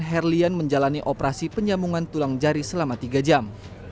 herlian menjalani operasi penyambungan tulang jari selama tiga jam